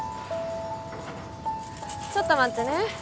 ちょっと待ってね